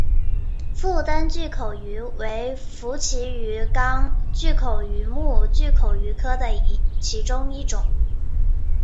腹灯巨口鱼为辐鳍鱼纲巨口鱼目巨口鱼科的其中一种。